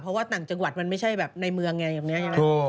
เพราะว่าต่างจังหวัดมันไม่ใช่แบบในเมืองอย่างนี้